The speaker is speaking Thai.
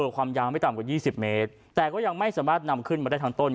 ความยาวไม่ต่ำกว่า๒๐เมตรแต่ก็ยังไม่สามารถนำขึ้นมาได้ทั้งต้น